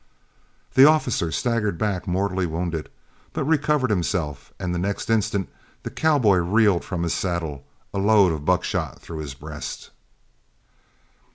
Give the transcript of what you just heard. The officer staggered back mortally wounded, but recovered himself, and the next instant the cowboy reeled from his saddle, a load of buckshot through his breast.